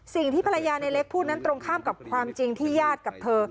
สิ่งที่ภรรยาในเล็กพูดนั้นตรงข้ามกับความจริงที่ญาติกับเธอ